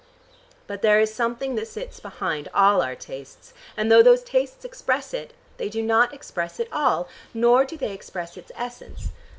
But there is something that sits behind all our tastes, and though those tastes express it, they do not express it all, nor do they express its essence.